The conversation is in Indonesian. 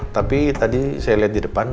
tapi tadi saya lihat di depan